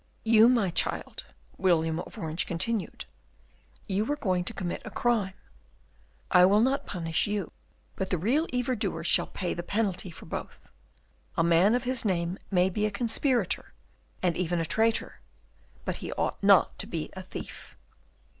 "You, my child," William of Orange continued, "you were going to commit a crime. I will not punish you; but the real evil doer shall pay the penalty for both. A man of his name may be a conspirator, and even a traitor, but he ought not to be a thief."